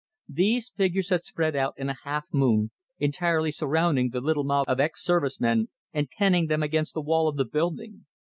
These figures had spread out in a half moon, entirely surrounding the little mob of ex service men, and penning them against the wall of the building.